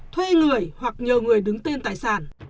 thuê người hoặc nhờ người đứng tên tài sản